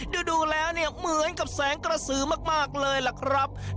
ดูแล้วเนี่ยเหมือนกับแสงกระสือมากเลยล่ะครับ